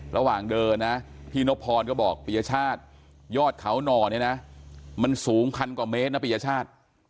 ระหว่างเดินนะพี่นบพรก็บอกปียชาติยอดเขาหน่อเนี่ยนะมันสูงพันกว่าเมตรนะปียชาติ